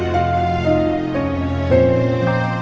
yang sulit ya tuhan